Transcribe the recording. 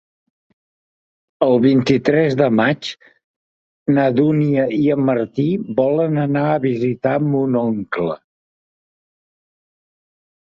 El vint-i-tres de maig na Dúnia i en Martí volen anar a visitar mon oncle.